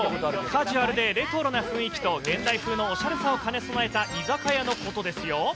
カジュアルでレトロな雰囲気と、現代風のおしゃれさを兼ね備えた居酒屋のことですよ。